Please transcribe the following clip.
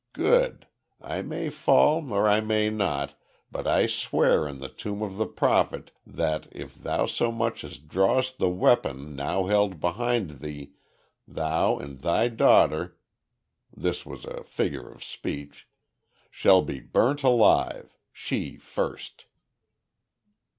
Good! I may fall or I may not, but I swear on the tomb of the Prophet that if thou so much as drawest the weapon now held behind thee, thou and thy daughter," this was a figure of speech "shall be burnt alive. She first."